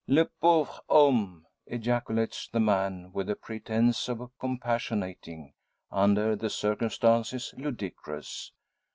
"Le pauvre homme!" ejaculates the man, with a pretence at compassionating, under the circumstances ludicrous.